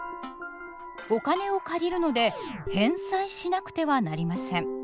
お金を借りるので返済しなくてはなりません。